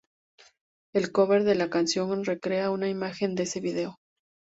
El cover de la canción recrea una imagen de ese vídeo.